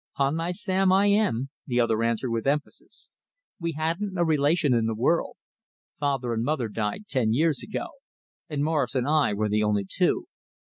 "'Pon my sam, I am," the other answered with emphasis. "We hadn't a relation in the world. Father and mother died ten years ago, and Morris and I were the only two.